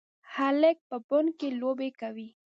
هلک په بڼ کې لوبې کوي.